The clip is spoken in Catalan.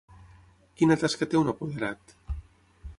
Quina tasca té un apoderat?